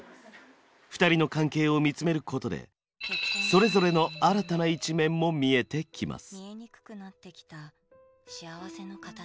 ２人の関係を見つめることでそれぞれの新たな一面も見えてきます。